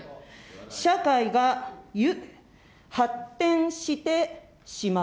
社会が発展してしまう。